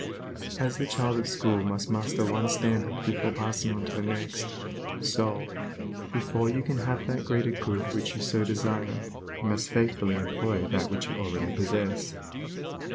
As the child at school must master one standard before passing onto the next, so, before you can have that greater good which you so desire, must you faithfully employ that which you already possess.